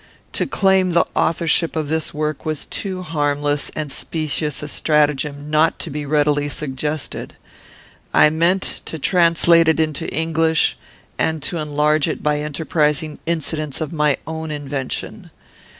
To claim the authorship of this work was too harmless and specious a stratagem not to be readily suggested. I meant to translate it into English, and to enlarge it by enterprising incidents of my own invention.